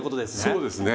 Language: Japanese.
そうですね。